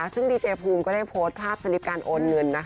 ซึ่งดีเจภูมิก็ได้โพสต์ภาพสลิปการโอนเงิน